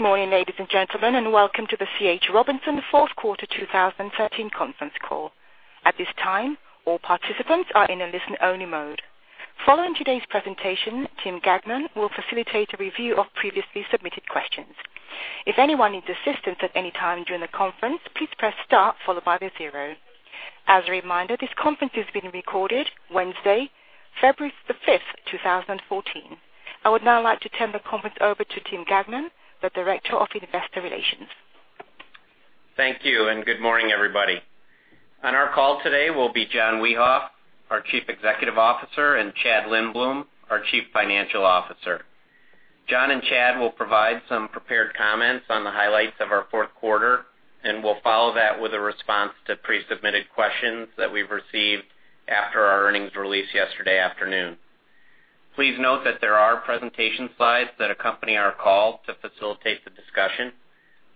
Welcome to the C.H. Robinson fourth quarter 2013 conference call. At this time, all participants are in a listen-only mode. Following today's presentation, Tim Gagnon will facilitate a review of previously submitted questions. If anyone needs assistance at any time during the conference, please press star followed by the zero. As a reminder, this conference is being recorded Wednesday, February the 5th, 2014. I would now like to turn the conference over to Tim Gagnon, the Director of Investor Relations. Thank you. Good morning, everybody. On our call today will be John Wiehoff, our Chief Executive Officer, and Chad Lindbloom, our Chief Financial Officer. John and Chad will provide some prepared comments on the highlights of our fourth quarter, and we'll follow that with a response to pre-submitted questions that we've received after our earnings release yesterday afternoon. Please note that there are presentation slides that accompany our call to facilitate the discussion.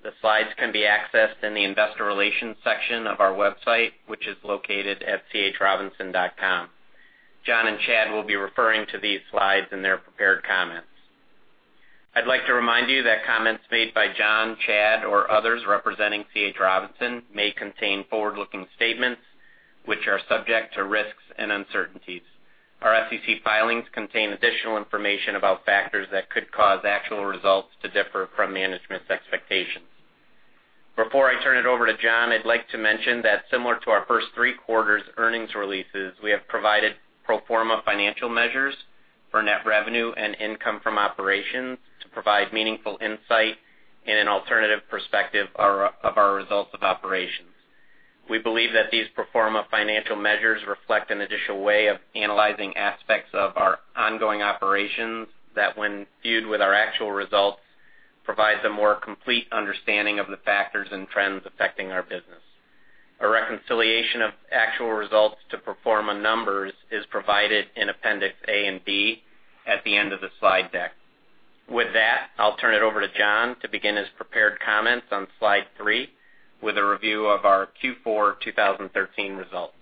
The slides can be accessed in the investor relations section of our website, which is located at chrobinson.com. John and Chad will be referring to these slides in their prepared comments. I'd like to remind you that comments made by John, Chad, or others representing C.H. Robinson may contain forward-looking statements, which are subject to risks and uncertainties. Our SEC filings contain additional information about factors that could cause actual results to differ from management's expectations. Before I turn it over to John, I'd like to mention that similar to our first three quarters earnings releases, we have provided pro forma financial measures for net revenue and income from operations to provide meaningful insight in an alternative perspective of our results of operations. We believe that these pro forma financial measures reflect an additional way of analyzing aspects of our ongoing operations that when viewed with our actual results, provides a more complete understanding of the factors and trends affecting our business. A reconciliation of actual results to pro forma numbers is provided in appendix A and B at the end of the slide deck. With that, I'll turn it over to John to begin his prepared comments on slide three with a review of our Q4 2013 results.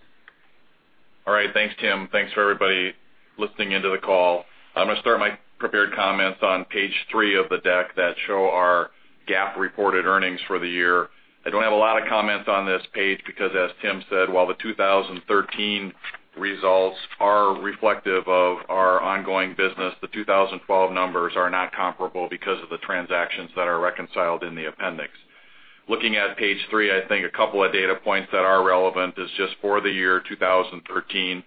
All right. Thanks, Tim. Thanks for everybody listening into the call. I'm going to start my prepared comments on page three of the deck that show our GAAP reported earnings for the year. I don't have a lot of comments on this page because, as Tim said, while the 2013 results are reflective of our ongoing business, the 2012 numbers are not comparable because of the transactions that are reconciled in the appendix. Looking at page three, I think a couple of data points that are relevant is just for the year 2013,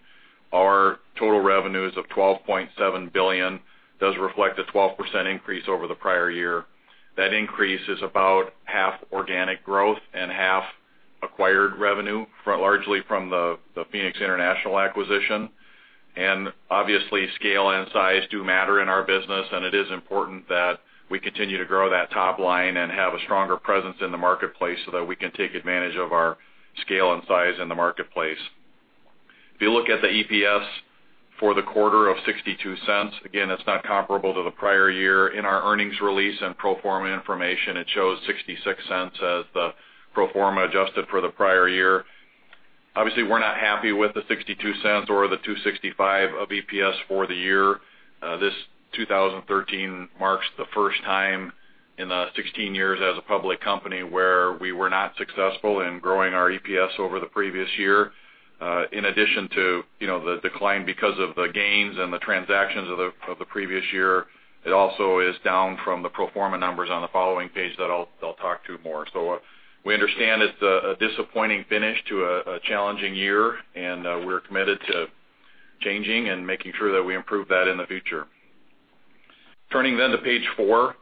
our total revenues of $12.7 billion does reflect a 12% increase over the prior year. That increase is about half organic growth and half acquired revenue, largely from the Phoenix International acquisition. Obviously, scale and size do matter in our business. It is important that we continue to grow that top line and have a stronger presence in the marketplace. That we can take advantage of our scale and size in the marketplace. If you look at the EPS for the quarter of $0.62, that's not comparable to the prior year. In our earnings release and pro forma information, it shows $0.66 as the pro forma adjusted for the prior year. Obviously, we're not happy with the $0.62 or the $2.65 of EPS for the year. This 2013 marks the first time in the 16 years as a public company where we were not successful in growing our EPS over the previous year. In addition to the decline because of the gains and the transactions of the previous year, it also is down from the pro forma numbers on the following page that I'll talk to more. We understand it's a disappointing finish to a challenging year, and we're committed to changing and making sure that we improve that in the future. Turning to page four.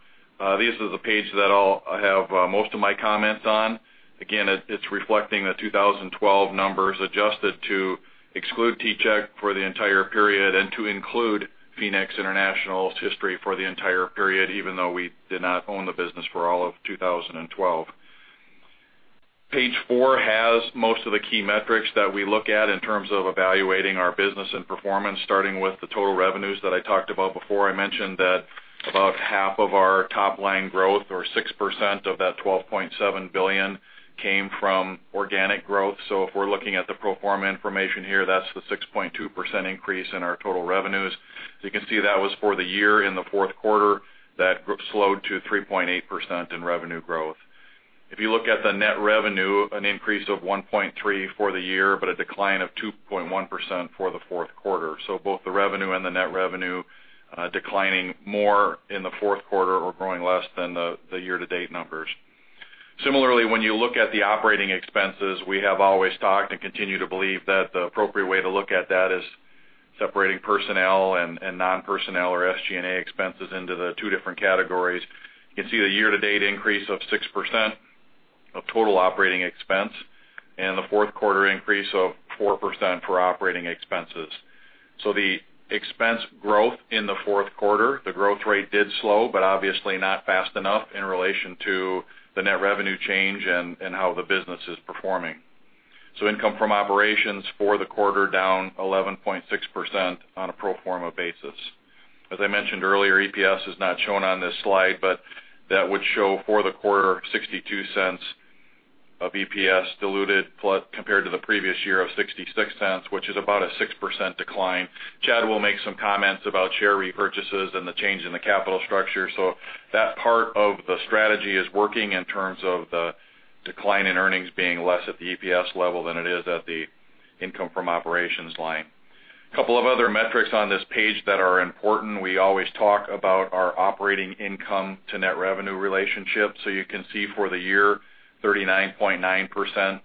These are the page that I have most of my comments on. Again, it's reflecting the 2012 numbers adjusted to exclude T-Chek for the entire period and to include Phoenix International's history for the entire period, even though we did not own the business for all of 2012. Page four has most of the key metrics that we look at in terms of evaluating our business and performance, starting with the total revenues that I talked about before. I mentioned that about half of our top-line growth or 6% of that $12.7 billion came from organic growth. If we're looking at the pro forma information here, that's the 6.2% increase in our total revenues. As you can see, that was for the year in the fourth quarter. That slowed to 3.8% in revenue growth. If you look at the net revenue, an increase of 1.3% for the year, but a decline of 2.1% for the fourth quarter. Both the revenue and the net revenue declining more in the fourth quarter or growing less than the year-to-date numbers. Similarly, when you look at the operating expenses, we have always talked and continue to believe that the appropriate way to look at that is separating personnel and non-personnel or SG&A expenses into the two different categories. You can see the year-to-date increase of 6% of total operating expense and the fourth quarter increase of 4% for operating expenses. The expense growth in the fourth quarter, the growth rate did slow, but obviously not fast enough in relation to the net revenue change and how the business is performing. Income from operations for the quarter down 11.6% on a pro forma basis. As I mentioned earlier, EPS is not shown on this slide, but that would show for the quarter $0.62 of EPS diluted compared to the previous year of $0.66, which is about a 6% decline. Chad will make some comments about share repurchases and the change in the capital structure. That part of the strategy is working in terms of the decline in earnings being less at the EPS level than it is at the income from operations line. Couple of other metrics on this page that are important. We always talk about our operating income to net revenue relationship. You can see for the year, 39.9%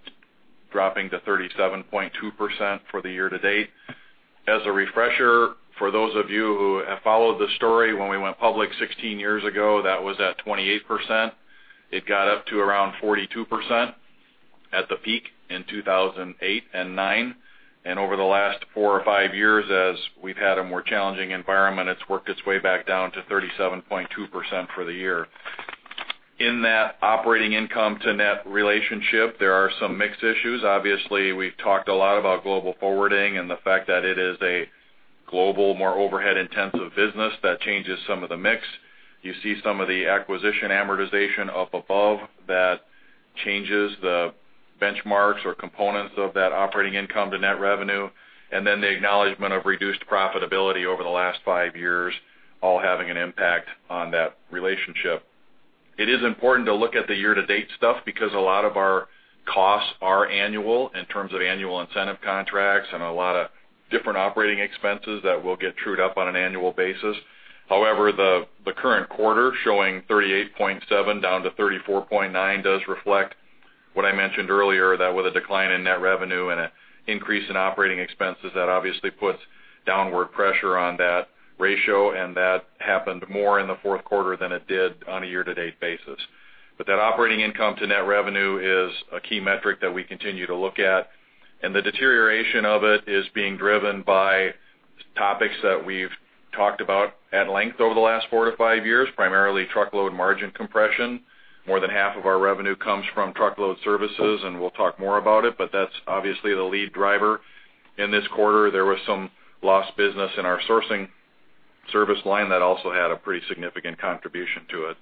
dropping to 37.2% for the year to date. As a refresher, for those of you who have followed the story, when we went public 16 years ago, that was at 28%. It got up to around 42% at the peak in 2008 and 2009. Over the last four or five years, as we've had a more challenging environment, it's worked its way back down to 37.2% for the year. In that operating income to net relationship, there are some mixed issues. Obviously, we've talked a lot about global forwarding and the fact that it is a global, more overhead intensive business that changes some of the mix. You see some of the acquisition amortization up above that changes the benchmarks or components of that operating income to net revenue, the acknowledgment of reduced profitability over the last five years, all having an impact on that relationship. It is important to look at the year-to-date stuff because a lot of our costs are annual in terms of annual incentive contracts and a lot of different operating expenses that will get trued up on an annual basis. However, the current quarter showing 38.7% down to 34.9% does reflect what I mentioned earlier, that with a decline in net revenue and an increase in operating expenses, that obviously puts downward pressure on that ratio, and that happened more in the fourth quarter than it did on a year-to-date basis. That operating income to net revenue is a key metric that we continue to look at, and the deterioration of it is being driven by topics that we've talked about at length over the last four to five years, primarily truckload margin compression. More than half of our revenue comes from truckload services, and we'll talk more about it, but that's obviously the lead driver. In this quarter, there was some lost business in our sourcing service line that also had a pretty significant contribution to it.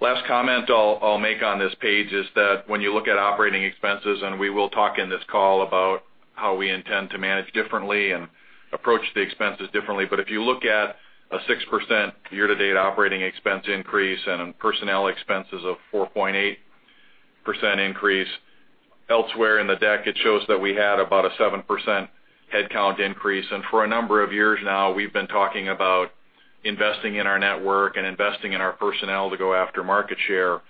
Last comment I'll make on this page is that when you look at operating expenses, we will talk in this call about how we intend to manage differently and approach the expenses differently, if you look at a 6% year-to-date operating expense increase and a personnel expenses of 4.8% increase, elsewhere in the deck, it shows that we had about a 7% headcount increase. For a number of years now, we've been talking about investing in our network and investing in our personnel to go after market share.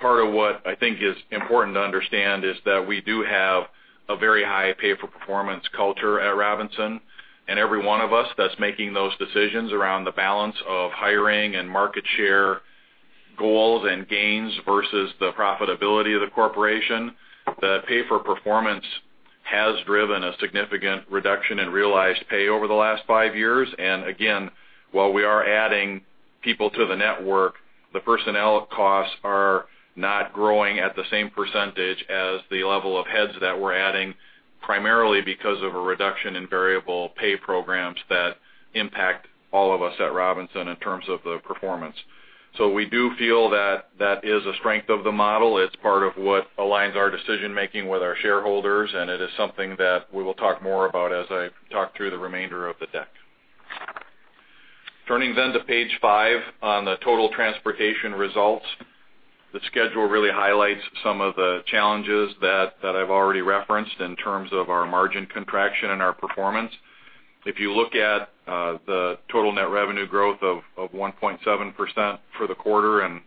Part of what I think is important to understand is that we do have a very high pay-for-performance culture at Robinson, and every one of us that's making those decisions around the balance of hiring and market share goals and gains versus the profitability of the corporation, the pay for performance has driven a significant reduction in realized pay over the last five years. Again, while we are adding people to the network, the personnel costs are not growing at the same percentage as the level of heads that we're adding, primarily because of a reduction in variable pay programs that impact all of us at Robinson in terms of the performance. We do feel that that is a strength of the model. It's part of what aligns our decision making with our shareholders, and it is something that we will talk more about as I talk through the remainder of the deck. Turning to page five on the total transportation results. The schedule really highlights some of the challenges that I've already referenced in terms of our margin contraction and our performance. If you look at the total net revenue growth of 1.7% for the quarter and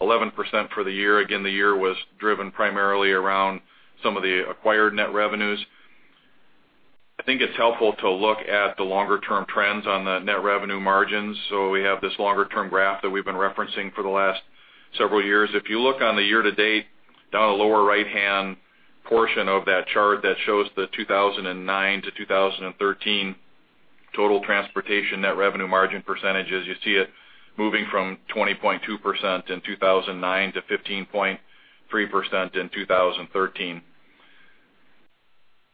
11% for the year, again, the year was driven primarily around some of the acquired net revenues. I think it's helpful to look at the longer-term trends on the net revenue margins. We have this longer-term graph that we've been referencing for the last several years. If you look on the year-to-date, down the lower right-hand portion of that chart that shows the 2009-2013 total transportation net revenue margin percentages, you see it moving from 20.2% in 2009 to 15.3% in 2013.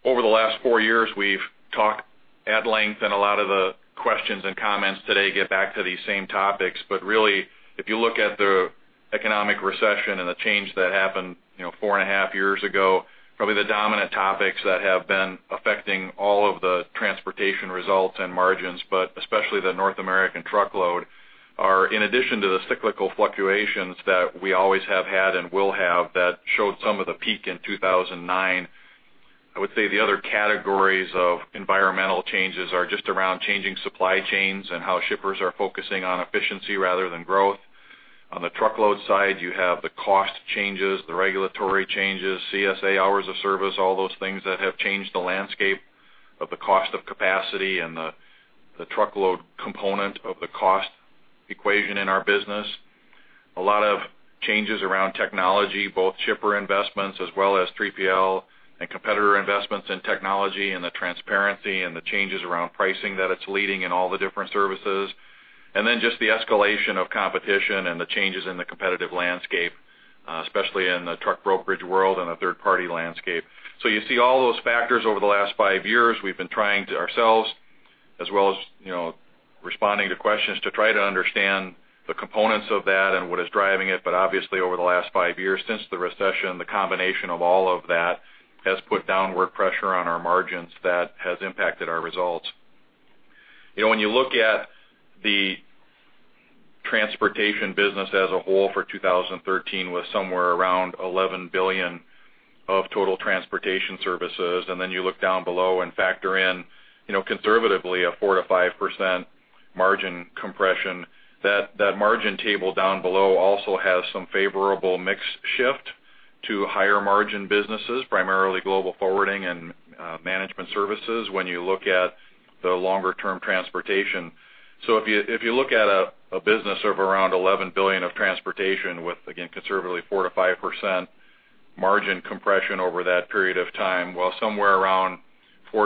Over the last four years, we've talked at length, and a lot of the questions and comments today get back to these same topics. Really, if you look at the economic recession and the change that happened four and a half years ago, probably the dominant topics that have been affecting all of the transportation results and margins, but especially the North American truckload, are in addition to the cyclical fluctuations that we always have had and will have that showed some of the peak in 2009. I would say the other categories of environmental changes are just around changing supply chains and how shippers are focusing on efficiency rather than growth. On the truckload side, you have the cost changes, the regulatory changes, CSA Hours of Service, all those things that have changed the landscape of the cost of capacity and the truckload component of the cost equation in our business. A lot of changes around technology, both shipper investments as well as 3PL and competitor investments in technology and the transparency and the changes around pricing that it's leading in all the different services. Then just the escalation of competition and the changes in the competitive landscape, especially in the truck brokerage world and the third-party landscape. You see all those factors over the last five years. We've been trying to ourselves as well as responding to questions to try to understand the components of that and what is driving it. Obviously, over the last five years since the recession, the combination of all of that has put downward pressure on our margins that has impacted our results. When you look at the transportation business as a whole for 2013, with somewhere around $11 billion of total transportation services, you look down below and factor in conservatively a 4%-5% margin compression. That margin table down below also has some favorable mix shift to higher margin businesses, primarily global forwarding and management services when you look at the longer-term transportation. If you look at a business of around $11 billion of transportation with, again, conservatively 4%-5% margin compression over that period of time, while somewhere around $400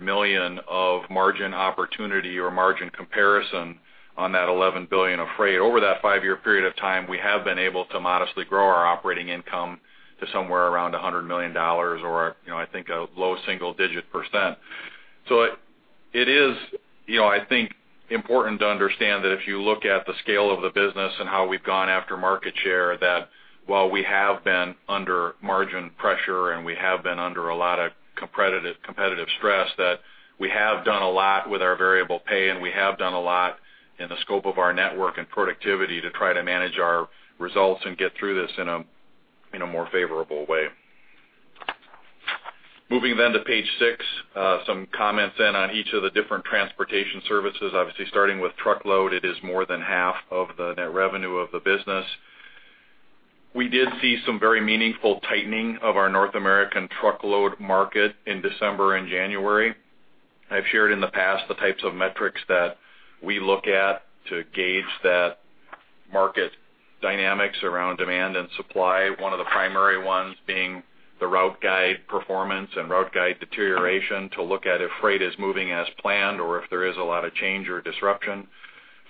million-$500 million of margin opportunity or margin comparison on that $11 billion of freight over that five-year period of time. We have been able to modestly grow our operating income to somewhere around $100 million or I think a low single-digit percent. It is, I think, important to understand that if you look at the scale of the business and how we've gone after market share, that while we have been under margin pressure and we have been under a lot of competitive stress, that we have done a lot with our variable pay, and we have done a lot in the scope of our network and productivity to try to manage our results and get through this in a more favorable way. Moving then to page six, some comments then on each of the different transportation services. Obviously, starting with truckload, it is more than half of the net revenue of the business. We did see some very meaningful tightening of our North American truckload market in December and January. I've shared in the past the types of metrics that we look at to gauge that market dynamics around demand and supply. One of the primary ones being the route guide performance and route guide deterioration to look at if freight is moving as planned or if there is a lot of change or disruption.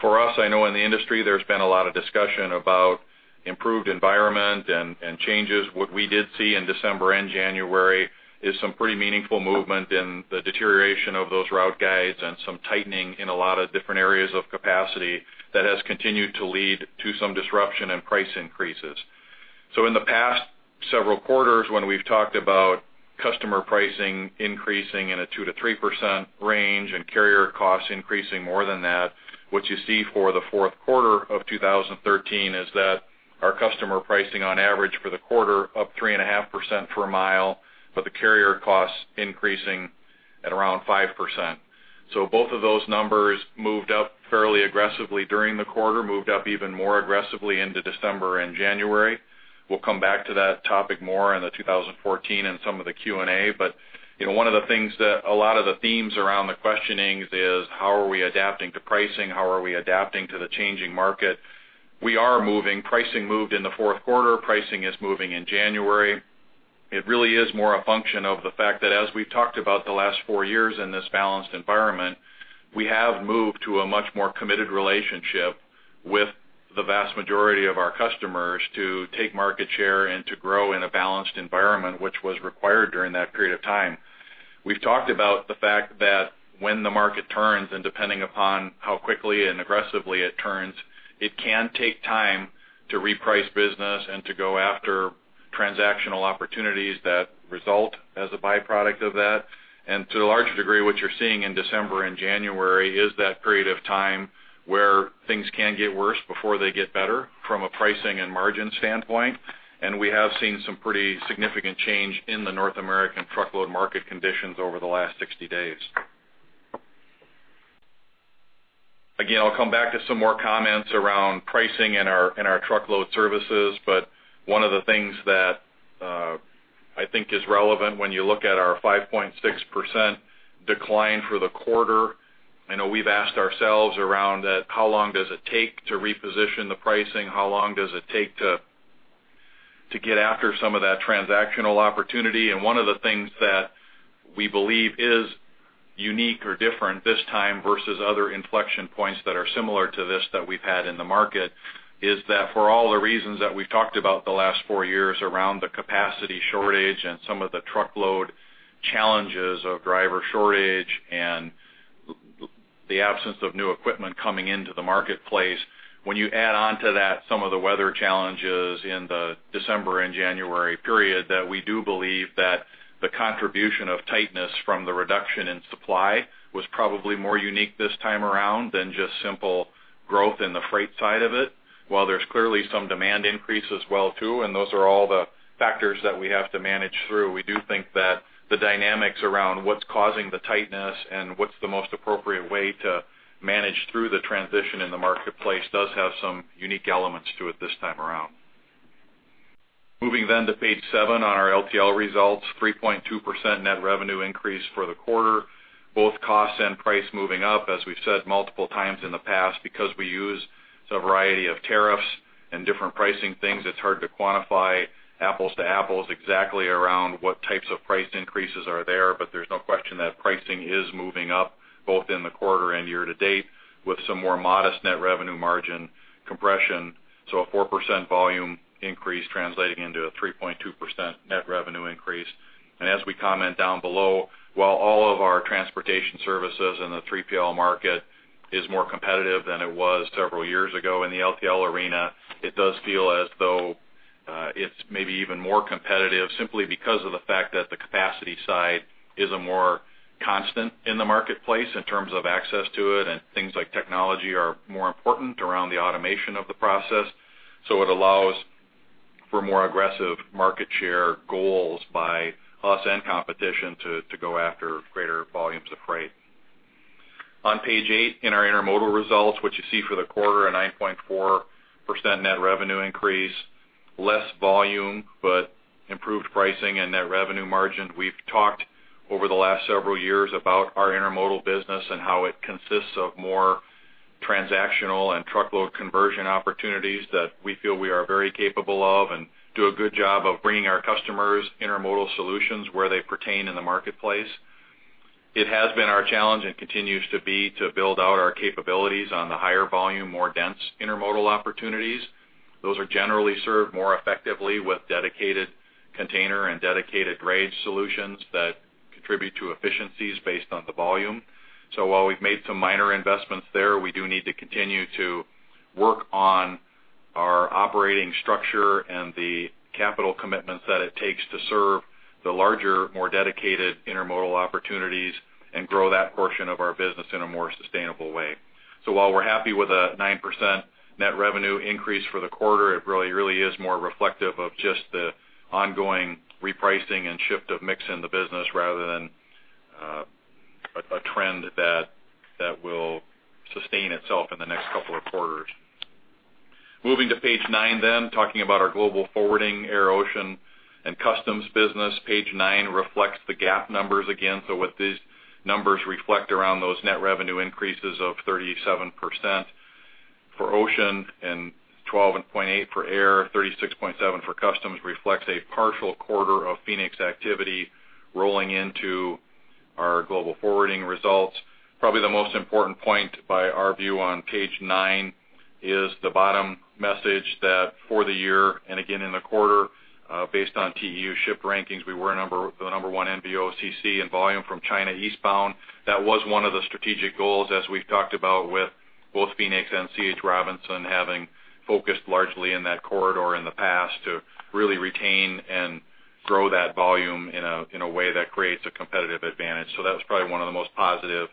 For us, I know in the industry, there's been a lot of discussion about improved environment and changes. What we did see in December and January is some pretty meaningful movement in the deterioration of those route guides and some tightening in a lot of different areas of capacity that has continued to lead to some disruption and price increases. In the past several quarters, when we've talked about customer pricing increasing in a 2%-3% range and carrier costs increasing more than that, what you see for the fourth quarter of 2013 is that our customer pricing on average for the quarter up 3.5% per mile, the carrier costs increasing at around 5%. Both of those numbers moved up fairly aggressively during the quarter, moved up even more aggressively into December and January. We'll come back to that topic more in the 2014 and some of the Q&A. One of the things that a lot of the themes around the questionings is how are we adapting to pricing? How are we adapting to the changing market? We are moving. Pricing moved in the fourth quarter. Pricing is moving in January. It really is more a function of the fact that as we've talked about the last four years in this balanced environment, we have moved to a much more committed relationship with the vast majority of our customers to take market share and to grow in a balanced environment, which was required during that period of time. We've talked about the fact that when the market turns, and depending upon how quickly and aggressively it turns, it can take time to reprice business and to go after transactional opportunities that result as a byproduct of that. To a large degree, what you're seeing in December and January is that period of time where things can get worse before they get better from a pricing and margin standpoint. We have seen some pretty significant change in the North American truckload market conditions over the last 60 days. Again, I'll come back to some more comments around pricing in our truckload services, one of the things that I think is relevant when you look at our 5.6% decline for the quarter. I know we've asked ourselves around that how long does it take to reposition the pricing? How long does it take to get after some of that transactional opportunity? One of the things that we believe is unique or different this time versus other inflection points that are similar to this that we've had in the market is that for all the reasons that we've talked about the last four years around the capacity shortage and some of the truckload challenges of driver shortage and the absence of new equipment coming into the marketplace. When you add on to that some of the weather challenges in the December and January period, that we do believe that the contribution of tightness from the reduction in supply was probably more unique this time around than just simple growth in the freight side of it, while there's clearly some demand increase as well too, those are all the factors that we have to manage through. We do think that the dynamics around what's causing the tightness and what's the most appropriate way to manage through the transition in the marketplace does have some unique elements to it this time around. Moving to page seven on our LTL results, 3.2% net revenue increase for the quarter, both cost and price moving up. As we've said multiple times in the past, because we use a variety of tariffs and different pricing things, it's hard to quantify apples to apples exactly around what types of price increases are there. There's no question that pricing is moving up both in the quarter and year to date with some more modest net revenue margin compression. A 4% volume increase translating into a 3.2% net revenue increase. As we comment down below, while all of our transportation services in the 3PL market is more competitive than it was several years ago in the LTL arena, it does feel as though it's maybe even more competitive simply because of the fact that the capacity side is a more constant in the marketplace in terms of access to it, and things like technology are more important around the automation of the process. It allows for more aggressive market share goals by us and competition to go after greater volumes of freight. On page eight, in our intermodal results, what you see for the quarter, a 9.4% net revenue increase. Less volume, improved pricing and net revenue margin. We've talked over the last several years about our intermodal business and how it consists of more transactional and truckload conversion opportunities that we feel we are very capable of and do a good job of bringing our customers intermodal solutions where they pertain in the marketplace. It has been our challenge, and continues to be, to build out our capabilities on the higher volume, more dense intermodal opportunities. Those are generally served more effectively with dedicated container and dedicated drayage solutions that contribute to efficiencies based on the volume. While we've made some minor investments there, we do need to continue to work on our operating structure and the capital commitments that it takes to serve the larger, more dedicated intermodal opportunities and grow that portion of our business in a more sustainable way. While we're happy with a 9% net revenue increase for the quarter, it really is more reflective of just the ongoing repricing and shift of mix in the business rather than a trend that will sustain itself in the next couple of quarters. Moving to page nine, talking about our global forwarding, air, ocean, and customs business. Page nine reflects the GAAP numbers again. What these numbers reflect around those net revenue increases of 37% for ocean and 12.8% for air, 36.7% for customs, reflects a partial quarter of Phoenix activity rolling into our global forwarding results. Probably the most important point by our view on page nine is the bottom message that for the year, and again in the quarter, based on TEU ship rankings, we were the number one NVOCC in volume from China eastbound. That was one of the strategic goals, as we've talked about with both Phoenix and C.H. Robinson, having focused largely in that corridor in the past to really retain and grow that volume in a way that creates a competitive advantage. That was probably one of the most positive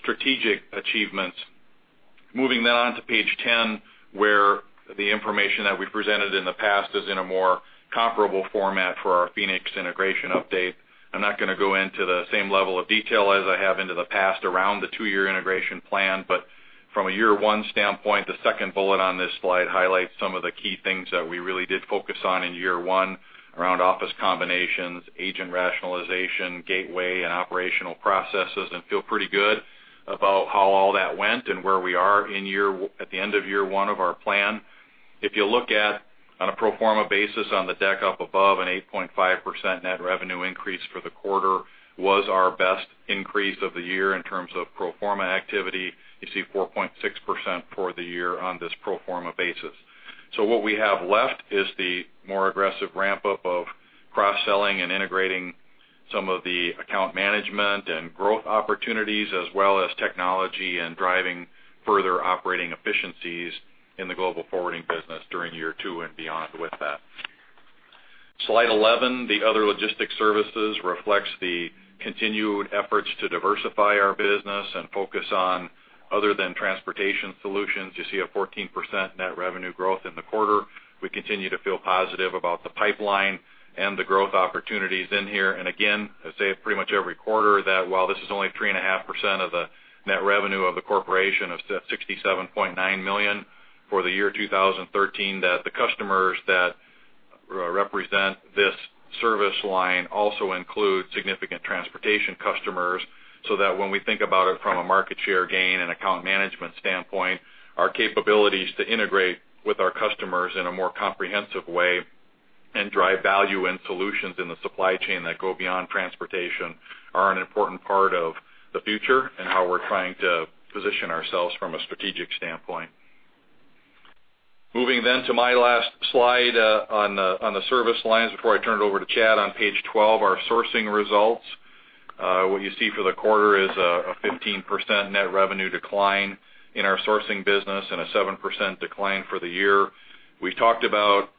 strategic achievements. Moving on to page 10, where the information that we presented in the past is in a more comparable format for our Phoenix integration update. I'm not going to go into the same level of detail as I have into the past around the two-year integration plan, but from a year one standpoint, the second bullet on this slide highlights some of the key things that we really did focus on in year one around office combinations, agent rationalization, gateway, and operational processes, and feel pretty good about how all that went and where we are at the end of year one of our plan. If you look at, on a pro forma basis on the deck up above, an 8.5% net revenue increase for the quarter was our best increase of the year in terms of pro forma activity. You see 4.6% for the year on this pro forma basis. What we have left is the more aggressive ramp-up of cross-selling and integrating some of the account management and growth opportunities, as well as technology and driving further operating efficiencies in the global forwarding business during year two and beyond with that. Slide 11, the other logistics services reflects the continued efforts to diversify our business and focus on other than transportation solutions. You see a 14% net revenue growth in the quarter. We continue to feel positive about the pipeline and the growth opportunities in here. Again, I say it pretty much every quarter, that while this is only 3.5% of the net revenue of the corporation of $67.9 million for the year 2013, that the customers that represent this service line also include significant transportation customers, when we think about it from a market share gain and account management standpoint, our capabilities to integrate with our customers in a more comprehensive way and drive value in solutions in the supply chain that go beyond transportation are an important part of the future and how we're trying to position ourselves from a strategic standpoint. Moving to my last slide on the service lines before I turn it over to Chad on page 12, our sourcing results. What you see for the quarter is a 15% net revenue decline in our sourcing business and a 7% decline for the year. We talked about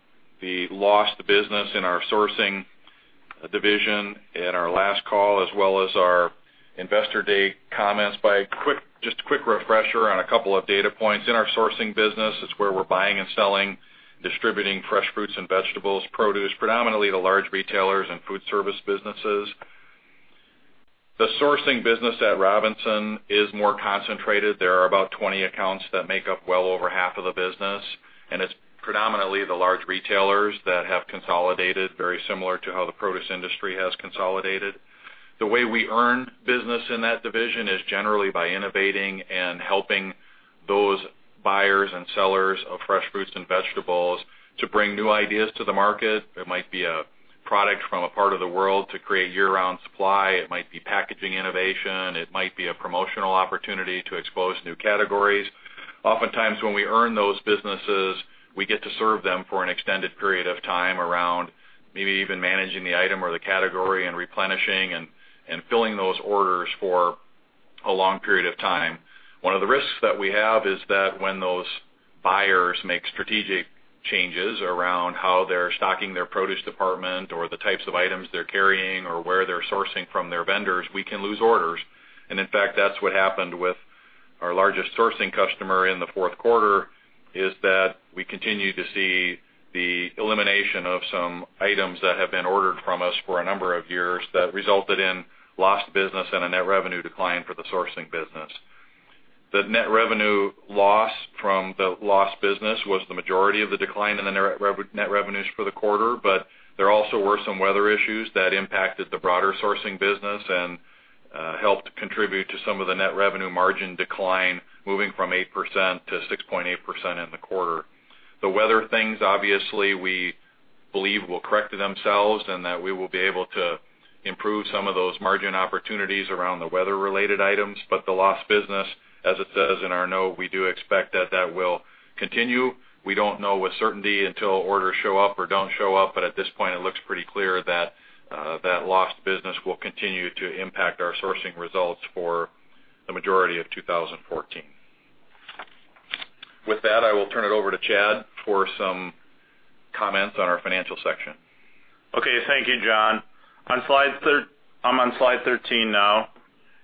the lost business in our sourcing division in our last call, as well as our Investor Day comments. By just a quick refresher on a couple of data points in our sourcing business, it's where we're buying and selling, distributing fresh fruits and vegetables, produce predominantly to large retailers and food service businesses. The sourcing business at Robinson is more concentrated. There are about 20 accounts that make up well over half of the business, and it's predominantly the large retailers that have consolidated very similar to how the produce industry has consolidated. The way we earn business in that division is generally by innovating and helping those buyers and sellers of fresh fruits and vegetables to bring new ideas to the market. It might be a product from a part of the world to create year-round supply. It might be packaging innovation. It might be a promotional opportunity to expose new categories. Oftentimes, when we earn those businesses, we get to serve them for an extended period of time around maybe even managing the item or the category and replenishing and filling those orders for a long period of time. One of the risks that we have is that when those buyers make strategic changes around how they're stocking their produce department or the types of items they're carrying or where they're sourcing from their vendors, we can lose orders. In fact, that's what happened with our largest sourcing customer in the fourth quarter, is that we continue to see the elimination of some items that have been ordered from us for a number of years that resulted in lost business and a net revenue decline for the sourcing business. The net revenue loss from the lost business was the majority of the decline in the net revenues for the quarter, there also were some weather issues that impacted the broader sourcing business and helped contribute to some of the net revenue margin decline, moving from 8%-6.8% in the quarter. The weather things, obviously, we believe will correct themselves, that we will be able to improve some of those margin opportunities around the weather-related items. The lost business, as it says in our note, we do expect that that will continue. We don't know with certainty until orders show up or don't show up, at this point it looks pretty clear that that lost business will continue to impact our sourcing results for the majority of 2014. With that, I will turn it over to Chad for some comments on our financial section. Okay. Thank you, John. I'm on slide 13 now.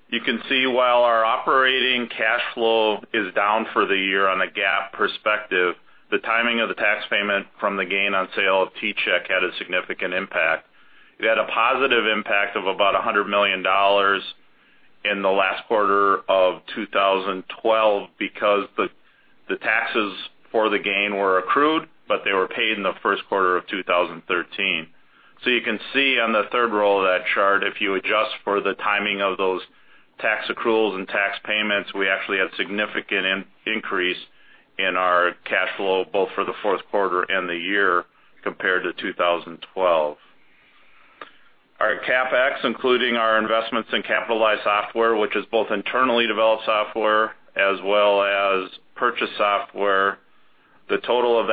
You can see while our operating cash flow is down for the year on a GAAP perspective, the timing of the tax payment from the gain on sale of T-Chek had a significant impact. It had a positive impact of about $100 million in the last quarter of 2012 because the taxes for the gain were accrued, they were paid in the first quarter of 2013. You can see on the third row of that chart, if you adjust for the timing of those tax accruals and tax payments, we actually had significant increase in our cash flow, both for the fourth quarter and the year compared to 2012. Our CapEx, including our investments in capitalized software, which is both internally developed software as well as purchased software. The total of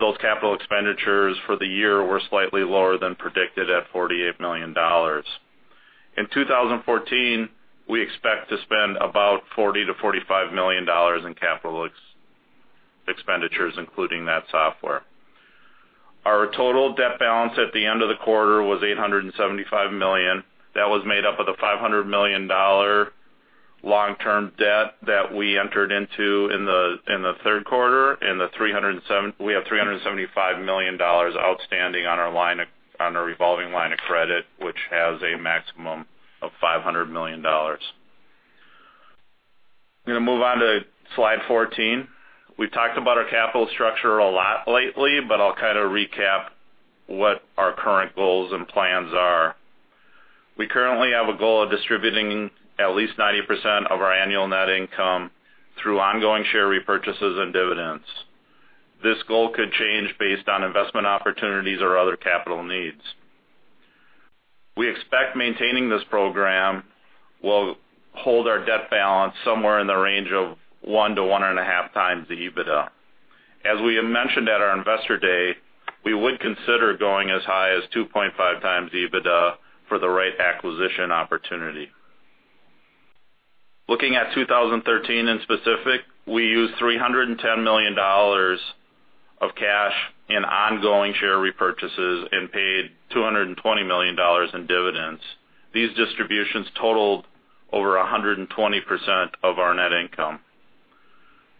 those capital expenditures for the year were slightly lower than predicted at $48 million. In 2014, we expect to spend about $40 million-$45 million in capital expenditures, including that software. Our total debt balance at the end of the quarter was $875 million. That was made up of the $500 million long-term debt that we entered into in the third quarter, we have $375 million outstanding on our revolving line of credit, which has a maximum of $500 million. I'm going to move on to slide 14. We've talked about our capital structure a lot lately, I'll recap what our current goals and plans are. We currently have a goal of distributing at least 90% of our annual net income through ongoing share repurchases and dividends. This goal could change based on investment opportunities or other capital needs. We expect maintaining this program will hold our debt balance somewhere in the range of one to one and a half times the EBITDA. As we had mentioned at our Investor Day, we would consider going as high as 2.5 times EBITDA for the right acquisition opportunity. Looking at 2013 in specific, we used $310 million of cash in ongoing share repurchases and paid $220 million in dividends. These distributions totaled over 120% of our net income.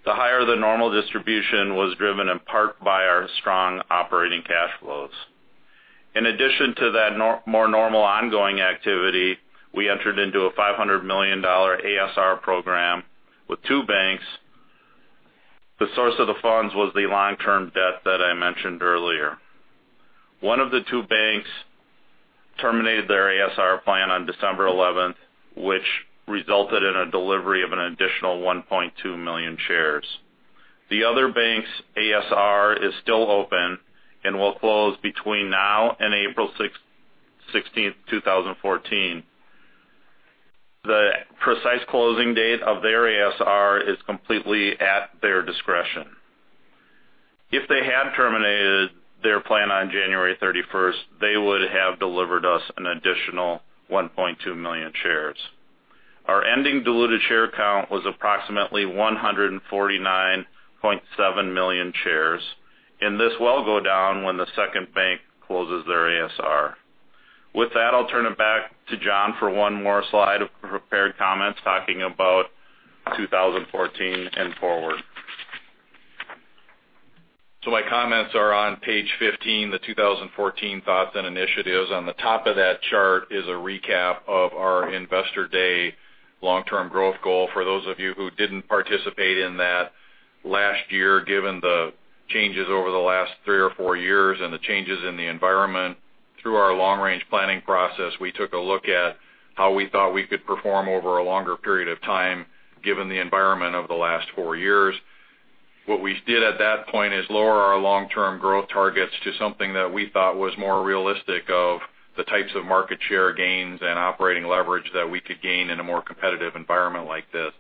The higher-than-normal distribution was driven in part by our strong operating cash flows. In addition to that more normal ongoing activity, we entered into a $500 million ASR program with two banks. The source of the funds was the long-term debt that I mentioned earlier. One of the two banks terminated their ASR plan on December 11th, which resulted in a delivery of an additional 1.2 million shares. The other bank's ASR is still open and will close between now and April 16th, 2014. The precise closing date of their ASR is completely at their discretion. If they had terminated their plan on January 31st, they would have delivered us an additional 1.2 million shares. Our ending diluted share count was approximately 149.7 million shares, and this will go down when the second bank closes their ASR. With that, I'll turn it back to John for one more slide of prepared comments, talking about 2014 and forward. My comments are on page 15, the 2014 thoughts and initiatives. On the top of that chart is a recap of our Investor Day long-term growth goal. For those of you who didn't participate in that last year, given the changes over the last three or four years and the changes in the environment, through our long-range planning process, we took a look at how we thought we could perform over a longer period of time, given the environment over the last four years. What we did at that point is lower our long-term growth targets to something that we thought was more realistic of the types of market share gains and operating leverage that we could gain in a more competitive environment like this.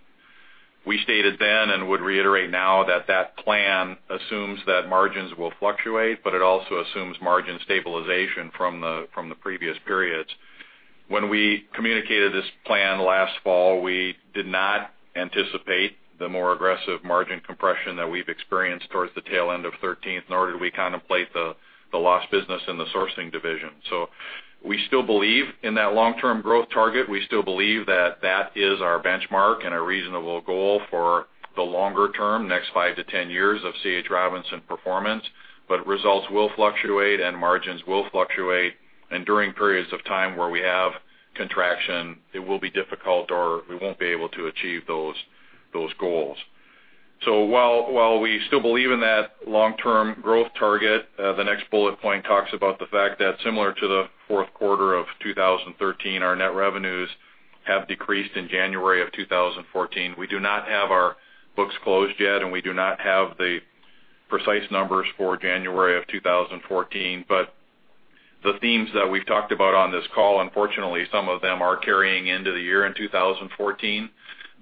We stated then and would reiterate now that that plan assumes that margins will fluctuate, it also assumes margin stabilization from the previous periods. When we communicated this plan last fall, we did not anticipate the more aggressive margin compression that we've experienced towards the tail end of 2013, nor did we contemplate the lost business in the sourcing division. We still believe in that long-term growth target. We still believe that that is our benchmark and a reasonable goal for the longer term, next five to 10 years of C.H. Robinson performance, results will fluctuate and margins will fluctuate. During periods of time where we have contraction, it will be difficult, or we won't be able to achieve those goals. While we still believe in that long-term growth target, the next bullet point talks about the fact that similar to the fourth quarter 2013, our net revenues have decreased in January 2014. We do not have our books closed yet, and we do not have the precise numbers for January 2014. The themes that we've talked about on this call, unfortunately, some of them are carrying into the year in 2014.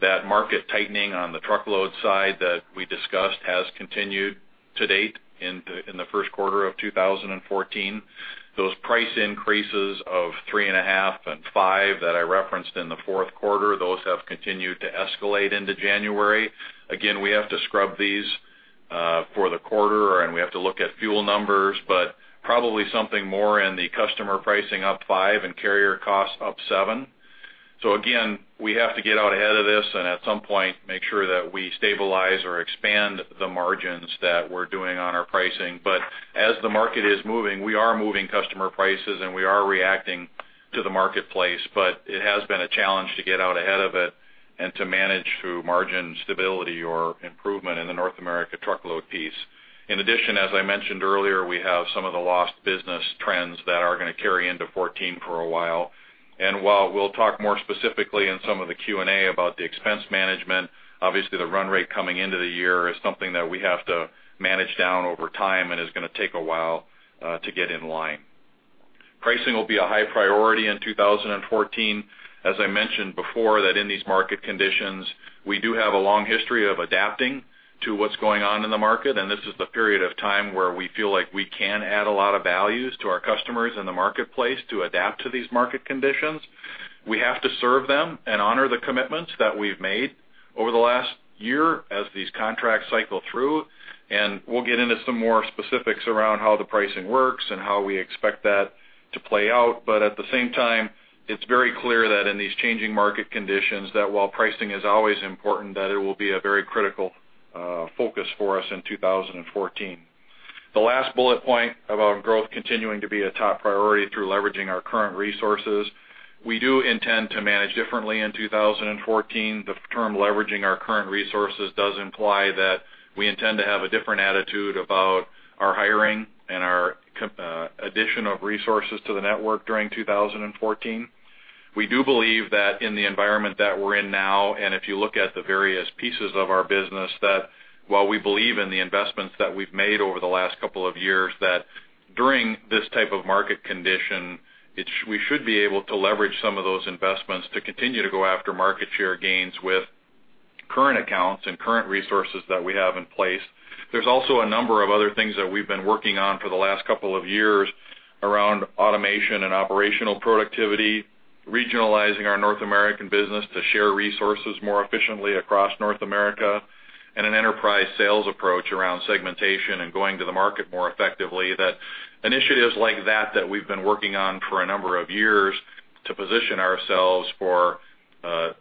That market tightening on the truckload side that we discussed has continued to date in the first quarter 2014. Those price increases of 3.5% and 5% that I referenced in the fourth quarter, those have continued to escalate into January. Again, we have to scrub these for the quarter, and we have to look at fuel numbers, but probably something more in the customer pricing up 5% and carrier costs up 7%. Again, we have to get out ahead of this and at some point, make sure that we stabilize or expand the margins that we're doing on our pricing. As the market is moving, we are moving customer prices, and we are reacting to the marketplace. It has been a challenge to get out ahead of it and to manage through margin stability or improvement in the North America truckload piece. In addition, as I mentioned earlier, we have some of the lost business trends that are going to carry into 2014 for a while. While we'll talk more specifically in some of the Q&A about the expense management, obviously, the run rate coming into the year is something that we have to manage down over time and is going to take a while to get in line. Pricing will be a high priority in 2014. As I mentioned before, that in these market conditions, we do have a long history of adapting to what's going on in the market. This is the period of time where we feel like we can add a lot of values to our customers in the marketplace to adapt to these market conditions. We have to serve them and honor the commitments that we've made over the last year as these contracts cycle through. We'll get into some more specifics around how the pricing works and how we expect that to play out. At the same time, it's very clear that in these changing market conditions, that while pricing is always important, that it will be a very critical focus for us in 2014. The last bullet point about growth continuing to be a top priority through leveraging our current resources. We do intend to manage differently in 2014. The term leveraging our current resources does imply that we intend to have a different attitude about our hiring and our addition of resources to the network during 2014. We do believe that in the environment that we're in now, if you look at the various pieces of our business, that while we believe in the investments that we've made over the last couple of years, that during this type of market condition, we should be able to leverage some of those investments to continue to go after market share gains with current accounts and current resources that we have in place. There's also a number of other things that we've been working on for the last couple of years around automation and operational productivity, regionalizing our North American business to share resources more efficiently across North America, and an enterprise sales approach around segmentation and going to the market more effectively. That initiatives like that we've been working on for a number of years to position ourselves for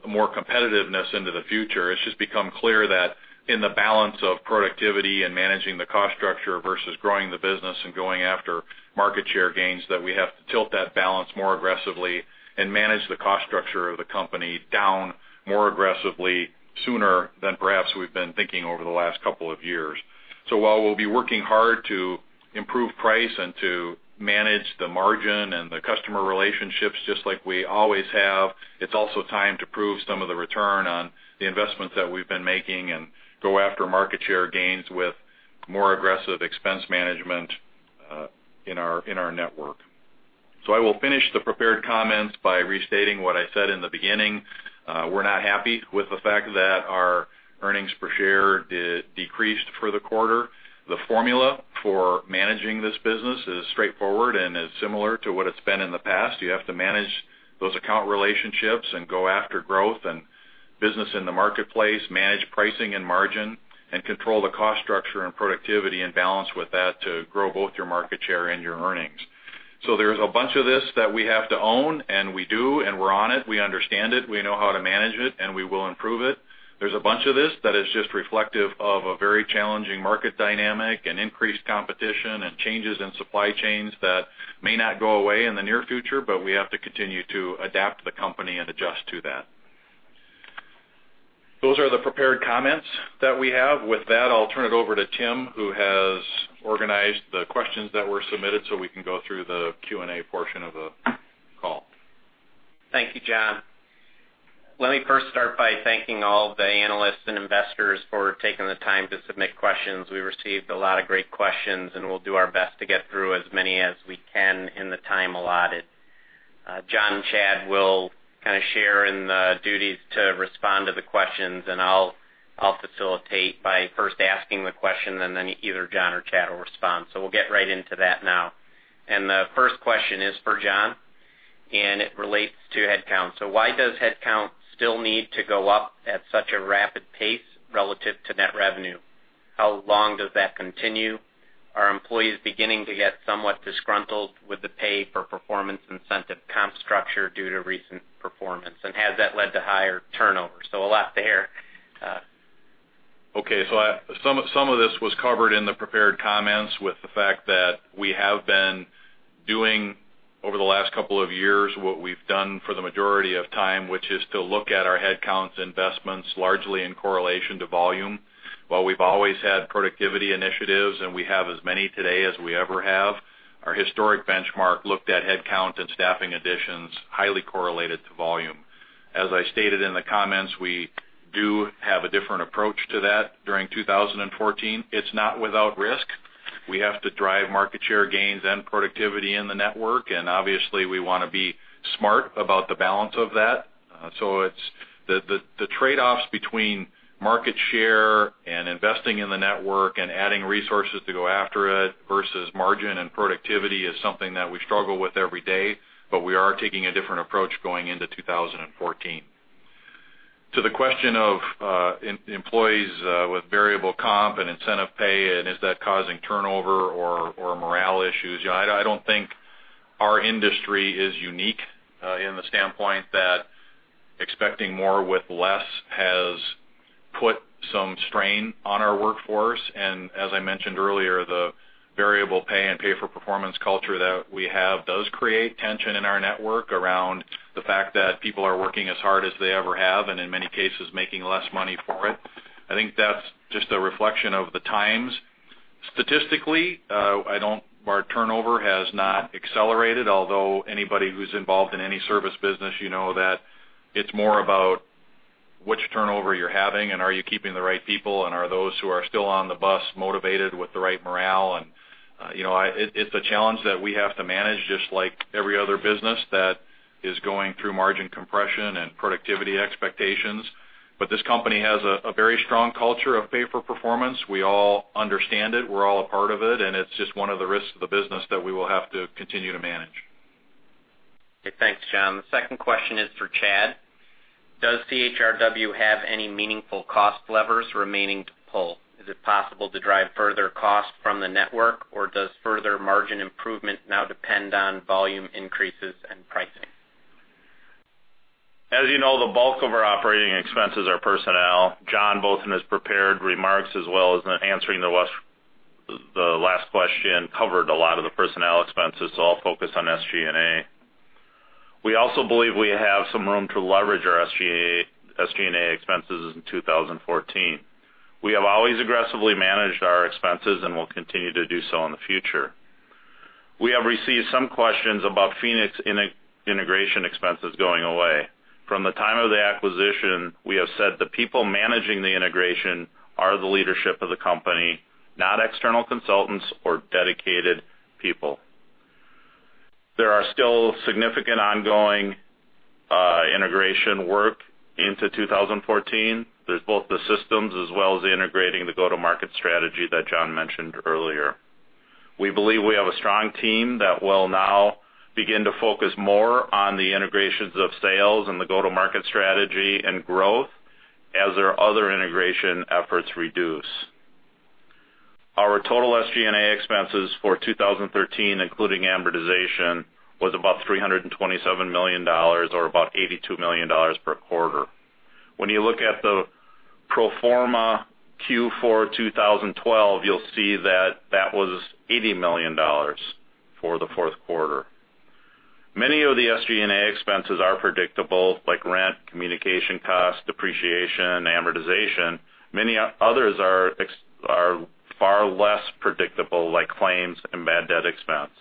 more competitiveness into the future. It's just become clear that in the balance of productivity and managing the cost structure versus growing the business and going after market share gains, that we have to tilt that balance more aggressively and manage the cost structure of the company down more aggressively sooner than perhaps we've been thinking over the last couple of years. While we'll be working hard to improve price and to manage the margin and the customer relationships just like we always have, it's also time to prove some of the return on the investments that we've been making and go after market share gains with more aggressive expense management in our network. I will finish the prepared comments by restating what I said in the beginning. We're not happy with the fact that our earnings per share decreased for the quarter. The formula for managing this business is straightforward and is similar to what it's been in the past. You have to manage those account relationships and go after growth and business in the marketplace, manage pricing and margin, and control the cost structure and productivity and balance with that to grow both your market share and your earnings. There's a bunch of this that we have to own, and we do, and we're on it. We understand it. We know how to manage it, and we will improve it. There's a bunch of this that is just reflective of a very challenging market dynamic and increased competition and changes in supply chains that may not go away in the near future, but we have to continue to adapt the company and adjust to that. Those are the prepared comments that we have. With that, I'll turn it over to Tim, who has organized the questions that were submitted so we can go through the Q&A portion of the call. Thank you, John. Let me first start by thanking all the analysts and investors for taking the time to submit questions. We received a lot of great questions, and we'll do our best to get through as many as we can in the time allotted. John and Chad will share in the duties to respond to the questions, and I'll facilitate by first asking the question, and then either John or Chad will respond. We'll get right into that now. The first question is for John, and it relates to headcount. Why does headcount still need to go up at such a rapid pace relative to net revenue? How long does that continue? Are employees beginning to get somewhat disgruntled with the pay-for-performance incentive comp structure due to recent performance? Has that led to higher turnover? A lot there. Some of this was covered in the prepared comments with the fact that we have been doing over the last couple of years what we've done for the majority of time, which is to look at our headcount investments largely in correlation to volume. While we've always had productivity initiatives, and we have as many today as we ever have, our historic benchmark looked at headcount and staffing additions highly correlated to volume. As I stated in the comments, we do have a different approach to that during 2014. It's not without risk. We have to drive market share gains and productivity in the network, and obviously, we want to be smart about the balance of that. The trade-offs between market share and investing in the network and adding resources to go after it versus margin and productivity is something that we struggle with every day, but we are taking a different approach going into 2014. To the question of employees with variable comp and incentive pay and is that causing turnover or morale issues, I don't think our industry is unique in the standpoint that expecting more with less has put some strain on our workforce. As I mentioned earlier, the variable pay and pay-for-performance culture that we have does create tension in our network around the fact that people are working as hard as they ever have, and in many cases, making less money for it. I think that's just a reflection of the times. Statistically, our turnover has not accelerated, although anybody who's involved in any service business, you know that it's more about which turnover you're having and are you keeping the right people, and are those who are still on the bus motivated with the right morale. It's a challenge that we have to manage just like every other business that is going through margin compression and productivity expectations. This company has a very strong culture of pay for performance. We all understand it, we're all a part of it, and it's just one of the risks of the business that we will have to continue to manage. Okay. Thanks, John. The second question is for Chad. Does CHRW have any meaningful cost levers remaining to pull? Is it possible to drive further cost from the network, or does further margin improvement now depend on volume increases and pricing? As you know, the bulk of our operating expenses are personnel. John, both in his prepared remarks as well as in answering the last question, covered a lot of the personnel expenses, so I will focus on SG&A. We also believe we have some room to leverage our SG&A expenses in 2014. We have always aggressively managed our expenses and will continue to do so in the future. We have received some questions about Phoenix integration expenses going away. From the time of the acquisition, we have said the people managing the integration are the leadership of the company, not external consultants or dedicated people. There are still significant ongoing integration work into 2014. There is both the systems as well as integrating the go-to-market strategy that John mentioned earlier. We believe we have a strong team that will now begin to focus more on the integrations of sales and the go-to-market strategy and growth as their other integration efforts reduce. Our total SG&A expenses for 2013, including amortization, was about $327 million or about $82 million per quarter. When you look at the pro forma Q4 2012, you will see that that was $80 million for the fourth quarter. Many of the SG&A expenses are predictable, like rent, communication cost, depreciation, amortization. Many others are far less predictable, like claims and bad debt expense.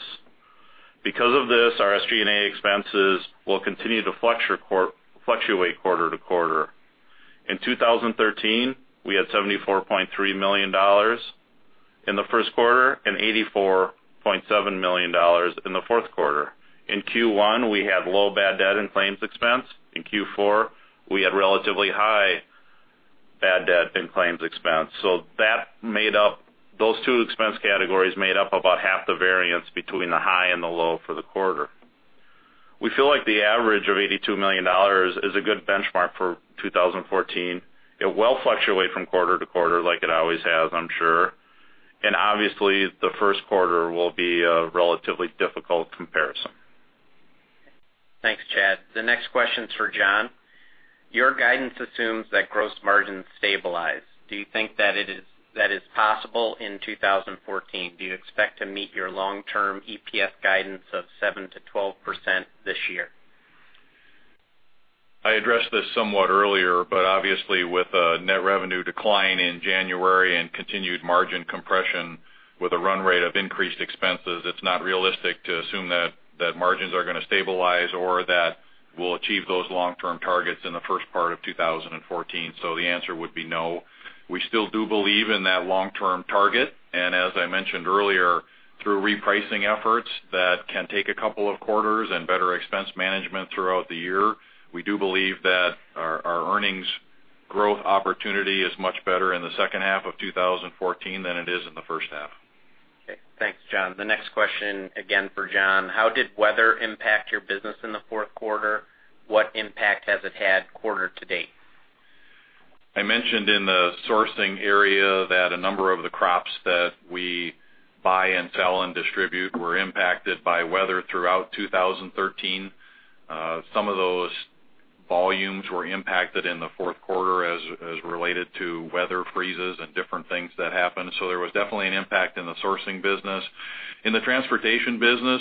Because of this, our SG&A expenses will continue to fluctuate quarter to quarter. In 2013, we had $74.3 million in the first quarter and $84.7 million in the fourth quarter. In Q1, we had low bad debt and claims expense. In Q4, we had relatively high bad debt and claims expense. Those two expense categories made up about half the variance between the high and the low for the quarter. We feel like the average of $82 million is a good benchmark for 2014. It will fluctuate from quarter to quarter like it always has, I am sure. Obviously, the first quarter will be a relatively difficult comparison. Thanks, Chad. The next question is for John. Your guidance assumes that gross margins stabilize. Do you think that is possible in 2014? Do you expect to meet your long-term EPS guidance of 7%-12% this year? I addressed this somewhat earlier. Obviously, with a net revenue decline in January and continued margin compression with a run rate of increased expenses, it's not realistic to assume that margins are going to stabilize or that we'll achieve those long-term targets in the first part of 2014. The answer would be no. We still do believe in that long-term target, and as I mentioned earlier, through repricing efforts, that can take a couple of quarters and better expense management throughout the year. We do believe that our earnings growth opportunity is much better in the second half of 2014 than it is in the first half. Okay. Thanks, John. The next question, again for John. How did weather impact your business in the fourth quarter? What impact has it had quarter to date? I mentioned in the sourcing area that a number of the crops that we buy and sell and distribute were impacted by weather throughout 2013. Some of those volumes were impacted in the fourth quarter as related to weather freezes and different things that happened. There was definitely an impact in the sourcing business. In the transportation business,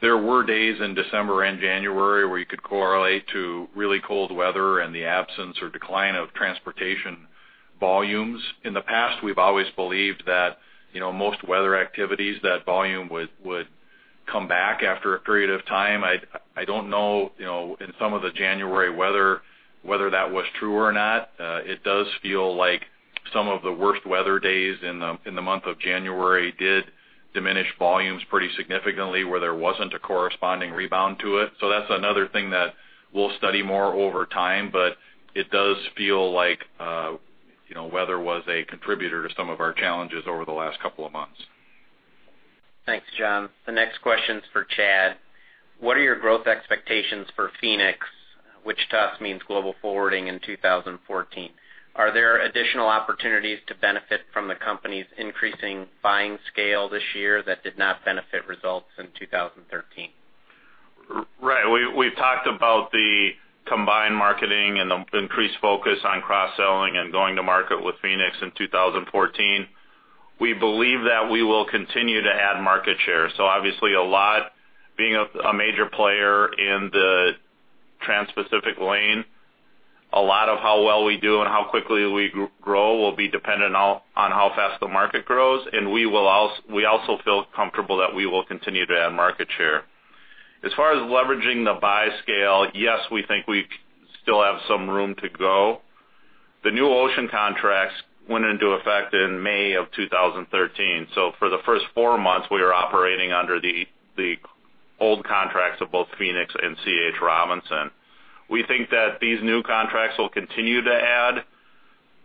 there were days in December and January where you could correlate to really cold weather and the absence or decline of transportation volumes. In the past, we've always believed that most weather activities, that volume would come back after a period of time. I don't know, in some of the January weather, whether that was true or not. It does feel like some of the worst weather days in the month of January did diminish volumes pretty significantly where there wasn't a corresponding rebound to it. That's another thing that we'll study more over time, but it does feel like weather was a contributor to some of our challenges over the last couple of months. Thanks, John. The next question's for Chad. What are your growth expectations for Phoenix International, which to us means global forwarding in 2014? Are there additional opportunities to benefit from the company's increasing buying scale this year that did not benefit results in 2013? Right. We've talked about the combined marketing and the increased focus on cross-selling and going to market with Phoenix International in 2014. We believe that we will continue to add market share. Obviously, being a major player in the transpacific lane, a lot of how well we do and how quickly we grow will be dependent on how fast the market grows. We also feel comfortable that we will continue to add market share. As far as leveraging the buy scale, yes, we think we still have some room to go. The new ocean contracts went into effect in May of 2013. For the first four months, we were operating under the old contracts of both Phoenix International and C.H. Robinson. We think that these new contracts will continue to add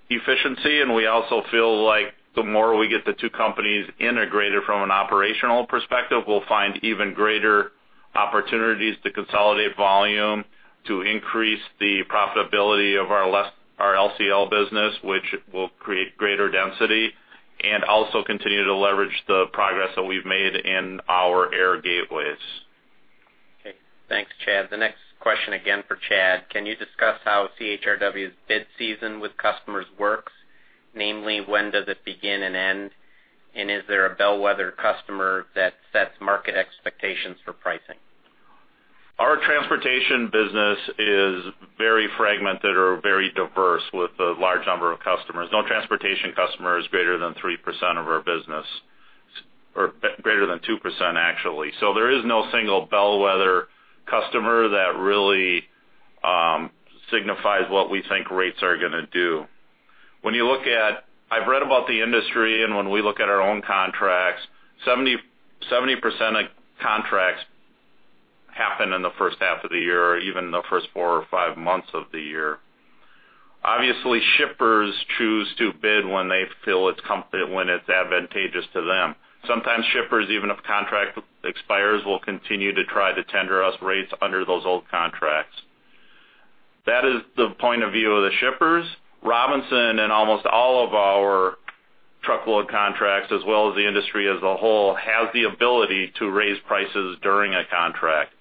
efficiency, and we also feel like the more we get the two companies integrated from an operational perspective, we'll find even greater opportunities to consolidate volume, to increase the profitability of our LCL business, which will create greater density. Also continue to leverage the progress that we've made in our air gateways. Okay. Thanks, Chad. The next question, again for Chad. Can you discuss how CHRW's bid season with customers works? Namely, when does it begin and end? Is there a bellwether customer that sets market expectations for pricing? Our transportation business is very fragmented or very diverse with a large number of customers. No transportation customer is greater than 3% of our business, or greater than 2%, actually. There is no single bellwether customer that really signifies what we think rates are going to do. I've read about the industry, and when we look at our own contracts, 70% of contracts happen in the first half of the year, or even the first four or five months of the year. Obviously, shippers choose to bid when they feel it's advantageous to them. Sometimes shippers, even if contract expires, will continue to try to tender us rates under those old contracts. That is the point of view of the shippers. Robinson, in almost all of our truckload contracts, as well as the industry as a whole, has the ability to raise prices during a contract.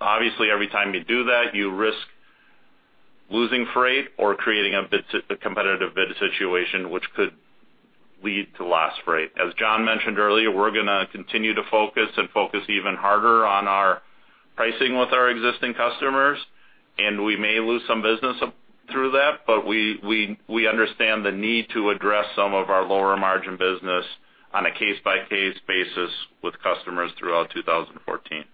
Obviously, every time you do that, you risk losing freight or creating a competitive bid situation which could lead to lost freight. As John mentioned earlier, we're going to continue to focus and focus even harder on our pricing with our existing customers, and we may lose some business through that, but we understand the need to address some of our lower margin business on a case-by-case basis with customers throughout 2014.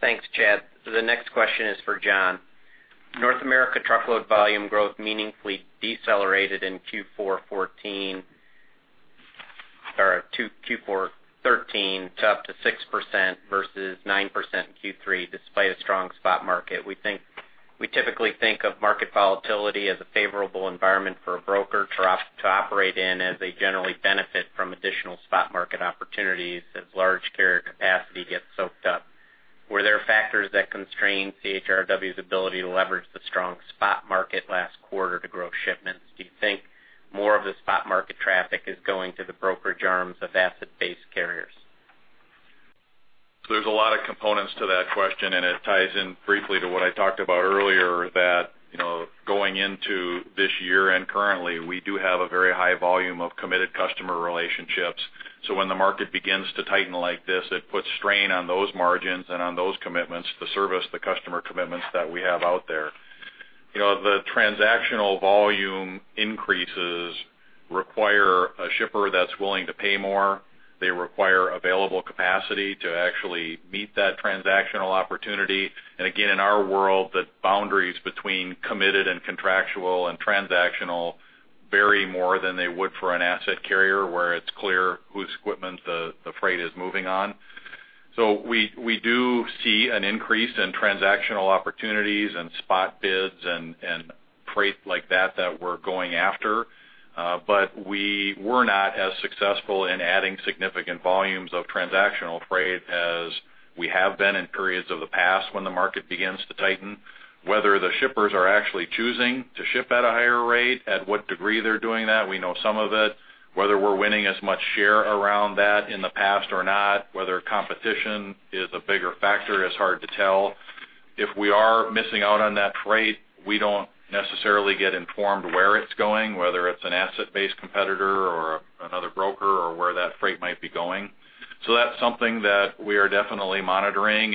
Thanks, Chad. The next question is for John. North America truckload volume growth meaningfully decelerated in Q4 2013 to up to 6% versus 9% in Q3, despite a strong spot market. We typically think of market volatility as a favorable environment for a broker to operate in, as they generally benefit from additional spot market opportunities as large carrier capacity gets soaked up. Were there factors that constrained CHRW's ability to leverage the strong spot market last quarter to grow shipments? Do you think more of the spot market traffic is going to the brokerage arms of asset-based carriers? There's a lot of components to that question, and it ties in briefly to what I talked about earlier, that going into this year and currently, we do have a very high volume of committed customer relationships When the market begins to tighten like this, it puts strain on those margins and on those commitments to service the customer commitments that we have out there. The transactional volume increases require a shipper that's willing to pay more. They require available capacity to actually meet that transactional opportunity. In our world, the boundaries between committed and contractual and transactional vary more than they would for an asset carrier, where it's clear whose equipment the freight is moving on. We do see an increase in transactional opportunities and spot bids and freight like that we're going after. We were not as successful in adding significant volumes of transactional freight as we have been in periods of the past when the market begins to tighten. Whether the shippers are actually choosing to ship at a higher rate, at what degree they're doing that, we know some of it. Whether we're winning as much share around that in the past or not, whether competition is a bigger factor, is hard to tell. If we are missing out on that freight, we don't necessarily get informed where it's going, whether it's an asset-based competitor or another broker or where that freight might be going. That's something that we are definitely monitoring.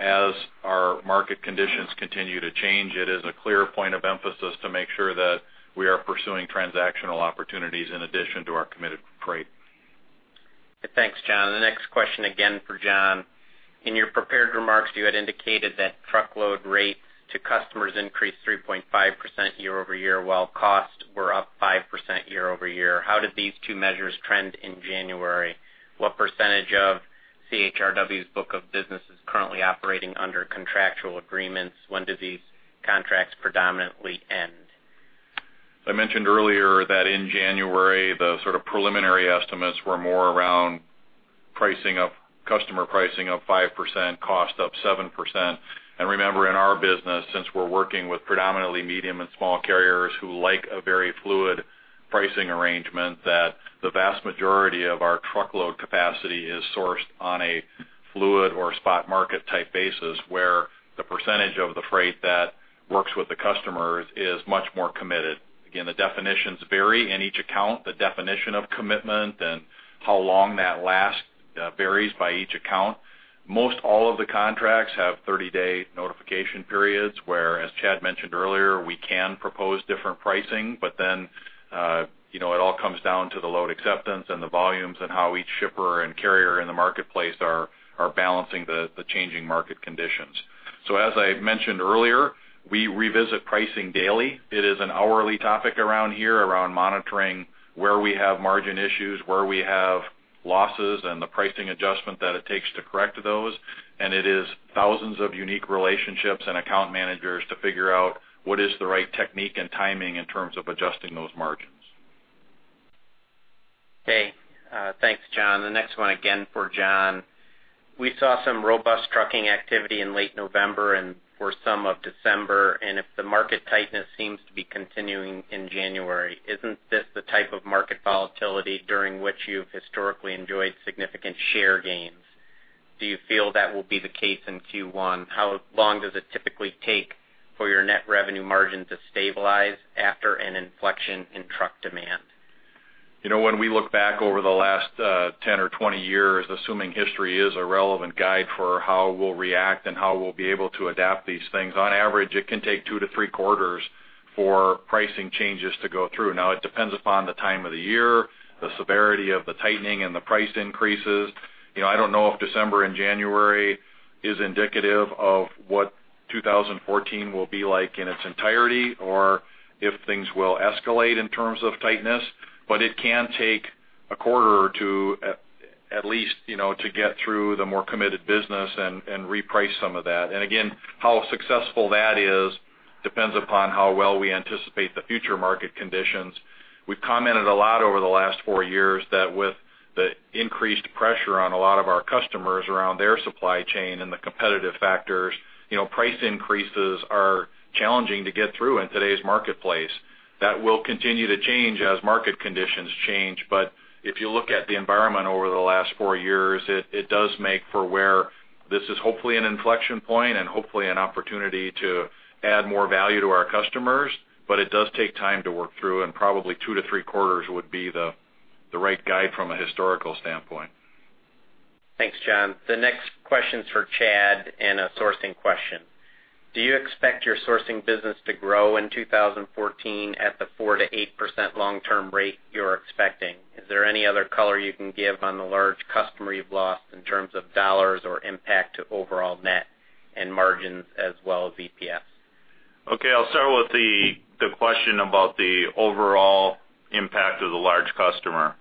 As our market conditions continue to change, it is a clear point of emphasis to make sure that we are pursuing transactional opportunities in addition to our committed freight. Thanks, John. The next question again for John. In your prepared remarks, you had indicated that truckload rates to customers increased 3.5% year-over-year, while costs were up 5% year-over-year. How did these two measures trend in January? What percentage of CHRW's book of business is currently operating under contractual agreements? When do these contracts predominantly end? I mentioned earlier that in January, the sort of preliminary estimates were more around customer pricing up 5%, cost up 7%. Remember, in our business, since we're working with predominantly medium and small carriers who like a very fluid pricing arrangement, that the vast majority of our truckload capacity is sourced on a fluid or spot market type basis, where the percentage of the freight that works with the customers is much more committed. The definitions vary in each account. The definition of commitment and how long that lasts varies by each account. Most all of the contracts have 30-day notification periods where, as Chad mentioned earlier, we can propose different pricing. It all comes down to the load acceptance and the volumes and how each shipper and carrier in the marketplace are balancing the changing market conditions. As I mentioned earlier, we revisit pricing daily. It is an hourly topic around here around monitoring where we have margin issues, where we have losses, and the pricing adjustment that it takes to correct those. It is thousands of unique relationships and account managers to figure out what is the right technique and timing in terms of adjusting those margins. Okay. Thanks, John. The next one again for John. We saw some robust trucking activity in late November and for some of December, if the market tightness seems to be continuing in January, isn't this the type of market volatility during which you've historically enjoyed significant share gains? Do you feel that will be the case in Q1? How long does it typically take for your net revenue margin to stabilize after an inflection in truck demand? When we look back over the last 10 or 20 years, assuming history is a relevant guide for how we'll react and how we'll be able to adapt these things, on average, it can take two to three quarters for pricing changes to go through. Now, it depends upon the time of the year, the severity of the tightening and the price increases. I don't know if December and January is indicative of what 2014 will be like in its entirety or if things will escalate in terms of tightness. It can take a quarter or two at least to get through the more committed business and reprice some of that. Again, how successful that is depends upon how well we anticipate the future market conditions. We've commented a lot over the last four years that with the increased pressure on a lot of our customers around their supply chain and the competitive factors, price increases are challenging to get through in today's marketplace. That will continue to change as market conditions change. If you look at the environment over the last four years, it does make for where this is hopefully an inflection point and hopefully an opportunity to add more value to our customers. It does take time to work through, and probably two to three quarters would be the right guide from a historical standpoint. Thanks, John. The next question is for Chad, and a sourcing question. Do you expect your sourcing business to grow in 2014 at the 4%-8% long-term rate you're expecting? Is there any other color you can give on the large customer you've lost in terms of dollars or impact to overall net and margins as well as EPS? I'll start with the question about the overall impact of the large customer.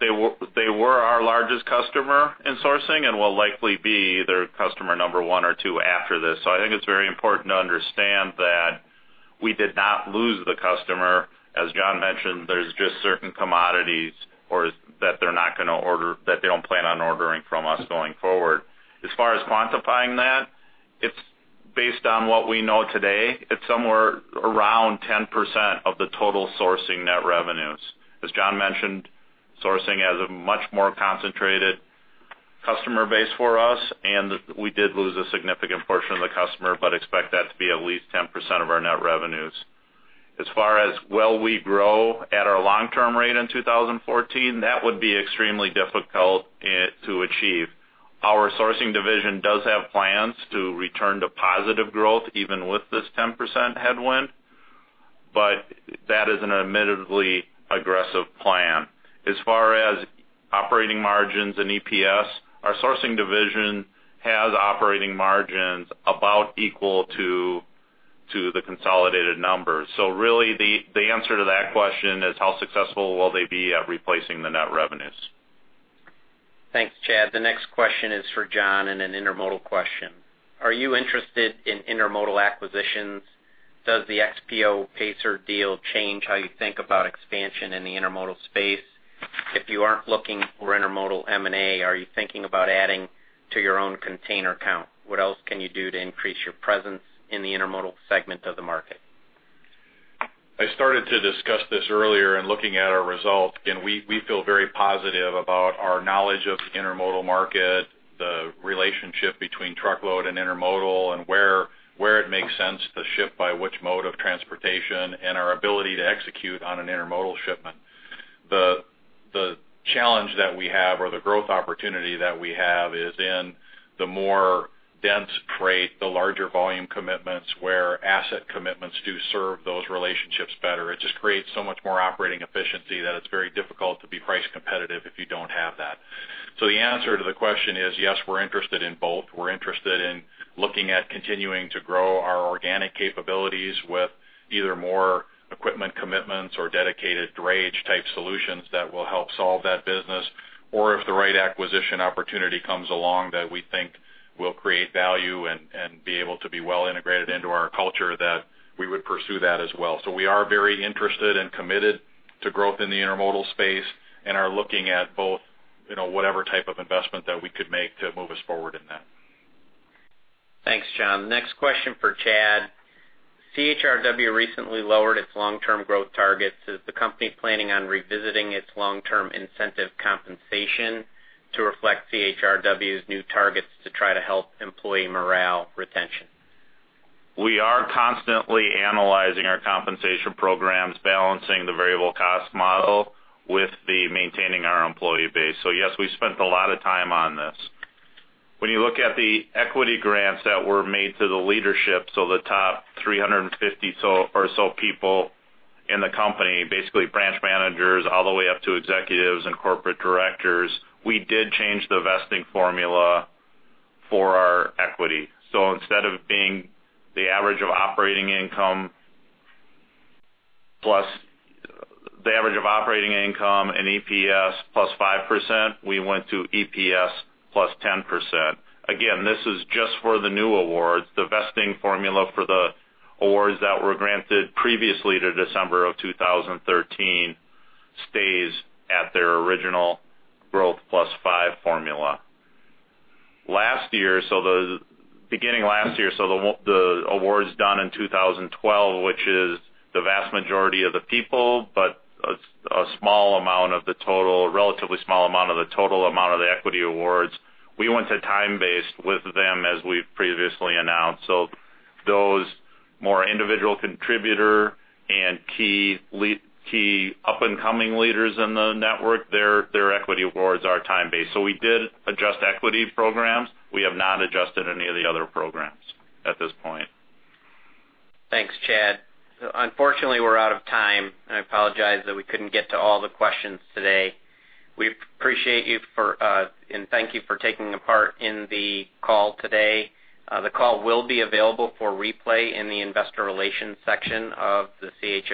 They were our largest customer in sourcing and will likely be either customer number one or two after this. I think it's very important to understand that we did not lose the customer. As John mentioned, there's just certain commodities that they don't plan on ordering from us going forward. As far as quantifying that, based on what we know today, it's somewhere around 10% of the total sourcing net revenues. As John mentioned, sourcing has a much more concentrated customer base for us, and we did lose a significant portion of the customer, but expect that to be at least 10% of our net revenues. As far as will we grow at our long-term rate in 2014, that would be extremely difficult to achieve. Our sourcing division does have plans to return to positive growth even with this 10% headwind, but that is an admittedly aggressive plan. As far as operating margins and EPS, our sourcing division has operating margins about equal to the consolidated numbers. Really, the answer to that question is how successful will they be at replacing the net revenues? Thanks, Chad. The next question is for John and an intermodal question. Are you interested in intermodal acquisitions? Does the XPO Pacer deal change how you think about expansion in the intermodal space? If you aren't looking for intermodal M&A, are you thinking about adding to your own container count? What else can you do to increase your presence in the intermodal segment of the market? I started to discuss this earlier in looking at our results. Again, we feel very positive about our knowledge of the intermodal market, the relationship between truckload and intermodal, and where it makes sense to ship by which mode of transportation, and our ability to execute on an intermodal shipment. The challenge that we have or the growth opportunity that we have is in the more dense freight, the larger volume commitments, where asset commitments do serve those relationships better. It just creates so much more operating efficiency that it's very difficult to be price competitive if you don't have that. The answer to the question is, yes, we're interested in both. We're interested in looking at continuing to grow our organic capabilities with either more equipment commitments or dedicated drayage type solutions that will help solve that business. if the right acquisition opportunity comes along that we think will create value and be able to be well integrated into our culture, that we would pursue that as well. We are very interested and committed to growth in the intermodal space and are looking at both whatever type of investment that we could make to move us forward in that. Thanks, John. Next question for Chad. CHRW recently lowered its long-term growth targets. Is the company planning on revisiting its long-term incentive compensation to reflect CHRW's new targets to try to help employee morale retention? We are constantly analyzing our compensation programs, balancing the variable cost model with the maintaining our employee base. Yes, we spent a lot of time on this. When you look at the equity grants that were made to the leadership, the top 350 or so people in the company, basically branch managers all the way up to executives and corporate directors, we did change the vesting formula for our equity. Instead of it being the average of operating income and EPS plus 5%, we went to EPS plus 10%. Again, this is just for the new awards. The vesting formula for the awards that were granted previously to December of 2013 stays at their original growth plus five formula. Beginning last year, so the awards done in 2012, which is the vast majority of the people, but a relatively small amount of the total amount of the equity awards, we went to time-based with them as we've previously announced. Those more individual contributor and key up-and-coming leaders in the network, their equity awards are time-based. We did adjust equity programs. We have not adjusted any of the other programs at this point. Thanks, Chad. Unfortunately, we're out of time, and I apologize that we couldn't get to all the questions today. We appreciate you for, and thank you for taking a part in the call today. The call will be available for replay in the investor relations section of the C.H.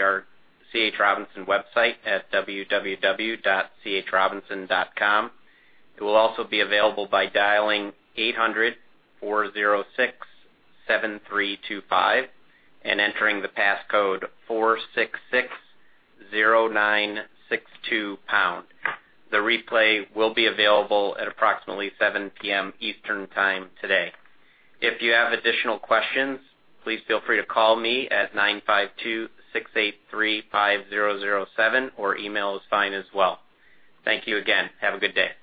Robinson website at www.chrobinson.com. It will also be available by dialing 800-406-7325 and entering the passcode 4660962#. The replay will be available at approximately 7:00 PM Eastern Time today. If you have additional questions, please feel free to call me at 952-683-5007 or email is fine as well. Thank you again. Have a good day.